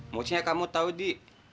mursinya kamu tahu di